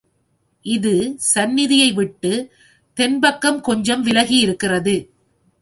இது சந்நிதியை விட்டுத் தென் பக்கம் கொஞ்சம் விலகியிருக்கிறது.